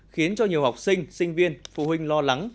khiến cho nhiều học sinh sinh viên phụ huynh lo lắng